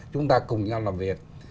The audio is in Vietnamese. chúng ta cùng nhau làm việc